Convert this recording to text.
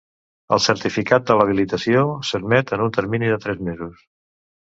El certificat de l'habilitació s'emet en un termini de tres mesos.